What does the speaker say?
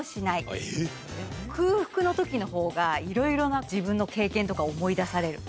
空腹の時のほうがいろいろな自分の経験とか思い出される。